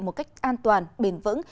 một cách an toàn bền vững